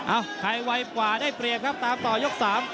เอ้าใครไว้กว่าได้เปลี่ยนครับตามต่อยก๓